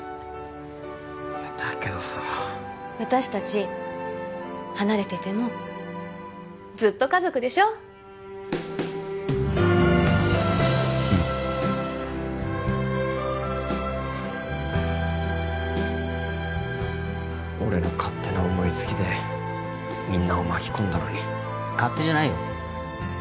いやだけどさ私達離れててもずっと家族でしょうん俺の勝手な思いつきでみんなを巻き込んだのに勝手じゃないよ